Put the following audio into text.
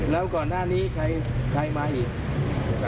แล้วก่อนหน้านี้ใครมาอีก